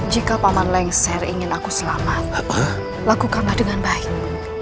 jika paman lengser ingin aku selamat lakukanlah dengan baik